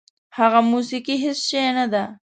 هغه موسیقي هېڅ شی نه ده.